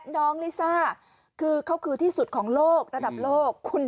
น้องลีซ่าเขาคือที่สุดของโลกระดับโลก